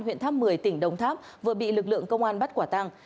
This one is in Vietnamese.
huyện tháp một mươi tỉnh đồng tháp vừa bị lực lượng công an bắt quả tăng